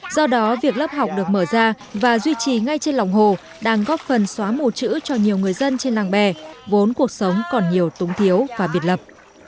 do đó việc lớp học được mở ra và duy trì ngay trên lòng hồ đang góp phần xóa mù chữ cho nhiều người dân trên làng bè vốn cuộc sống còn nhiều túng thiếu và biệt lập